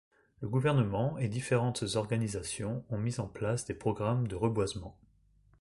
Le gouvernement et différentes organisations ont mis en place des programmes de reboisement.